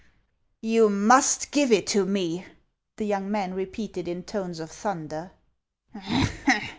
" You must give it to me !" the young man repeated in tones of thunder.